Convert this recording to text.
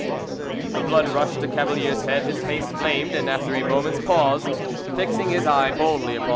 The blood rushed to Cavalier's head, his face flamed, and after a moment's pause, fixing his eye boldly upon M.